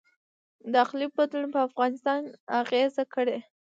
د اقلیم بدلون په افغانستان اغیز کړی؟